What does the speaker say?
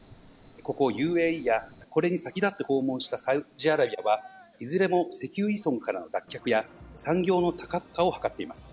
ここＵＡＥや、これに先立って訪問したサウジアラビアは、いずれも石油依存からの脱却や、産業の多角化を図っています。